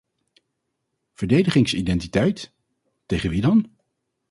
Verdedigingsidentiteit, tegen wie dan?